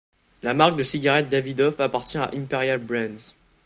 La marque de cigarettes Davidoff appartient à Imperial Brands.